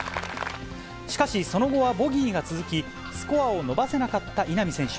しかしその後はボギーが続き、スコアを伸ばせなかった稲見選手。